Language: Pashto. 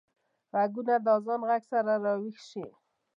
غوږونه د اذان غږ سره راويښ شي